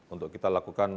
untuk kita lakukan